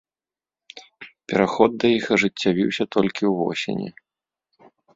Пераход да іх ажыццявіўся толькі ў восені.